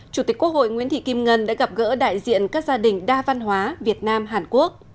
chủ tịch quốc hội nguyễn thị kim ngân đã gặp gỡ đại diện các gia đình đa văn hóa việt nam hàn quốc